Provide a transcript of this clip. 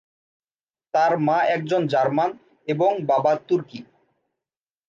তার মা একজন জার্মান এবং বাবা তুর্কি।